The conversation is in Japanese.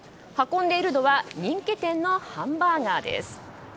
運んでいるのは人気店のハンバーガーです。